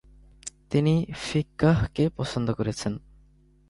তিনি ফিক্বাহকে পছন্দ করেছেন।